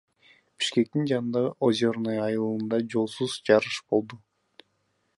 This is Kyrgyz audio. Бишкектин жанындагы Озерное айылында жолсуз жарыш болду.